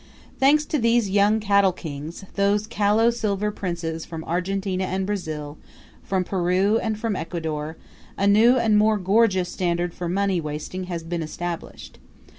Thanks to these young cattle kings, these callow silver princes from Argentina and Brazil, from Peru and from Ecuador, a new and more gorgeous standard for money wasting has been established.